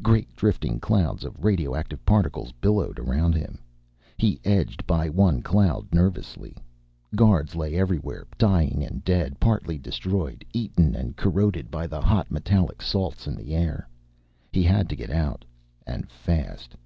Great drifting clouds of radioactive particles billowed around him. He edged by one cloud nervously. Guards lay everywhere, dying and dead, partly destroyed, eaten and corroded by the hot metallic salts in the air. He had to get out and fast.